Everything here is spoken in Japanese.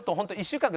１週間。